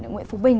nguyễn phú bình